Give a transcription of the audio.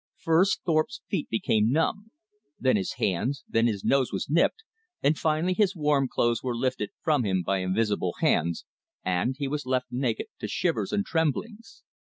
First Thorpe's feet became numb, then his hands, then his nose was nipped, and finally his warm clothes were lifted from him by invisible hands, and he was left naked to shivers and tremblings.